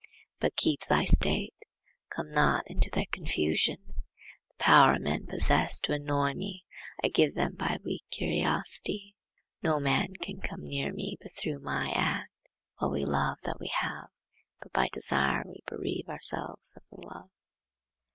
But keep thy state; come not into their confusion. The power men possess to annoy me I give them by a weak curiosity. No man can come near me but through my act. "What we love that we have, but by desire we bereave ourselves of the love."